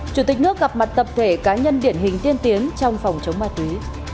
chủ tịch nước gặp mặt tập thể cá nhân điển hình tiên tiến trong phòng chống ma túy